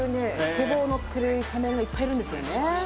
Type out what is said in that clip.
スケボー乗ってるイケメンがいっぱいいるんですよね